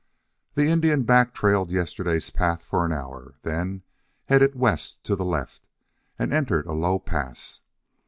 The Indian back trailed yesterday's path for an hour, then headed west to the left, and entered a low pass.